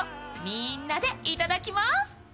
みんなでいただきます。